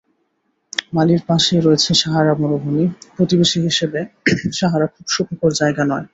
মালির পাশেই রয়েছে সাহারা মরুভূমি, প্রতিবেশী হিসেবে সাহারা খুব সুখকর জায়গা নয়।